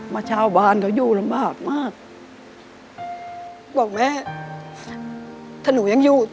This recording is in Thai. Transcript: ชาวบ้านเขาอยู่ลำบากมากบอกแม่ถ้าหนูยังอยู่